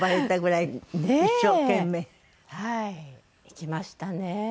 行きましたね。